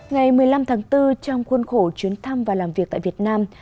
ngày một mươi năm tháng bốn trong khuôn khổ chuyến thăm và làm việc tại việt nam